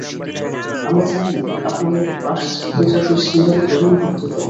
আমরা জানি, আপনাদের পাশ্চাত্য জাতির শিরায় তরুণ রক্ত প্রবাহিত।